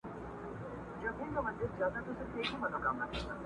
o زه دي باغ نه وينم، ته وا تارو درغلی!